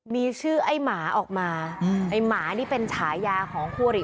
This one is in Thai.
มีชื่อไอ้หมาออกมาไอ้หมานี่เป็นฉายาของคู่อริ